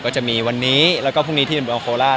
จะมีวันนี้พรุ่งนี้ที่นังโคลาส